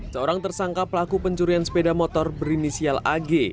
seorang tersangka pelaku pencurian sepeda motor berinisial ag